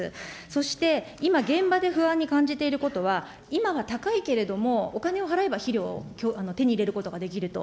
そして今、現場で不安に感じていることは、今は高いけれども、お金を払えば肥料、手に入れることができると。